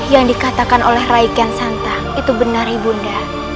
yang dikatakan oleh raikian santa itu benar ibu nda